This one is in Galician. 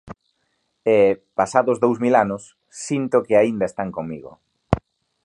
E, pasados dous mil anos, sinto que aínda están comigo.